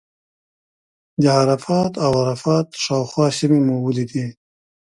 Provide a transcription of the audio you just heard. د عرفات او عرفات شاوخوا سیمې مو ولیدې.